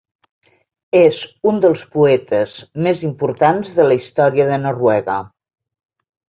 És un dels poetes més importants de la història de Noruega.